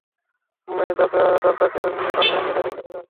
উম্মে দারদাকে বাড়ির আঙিনায় দেখতে পেলেন।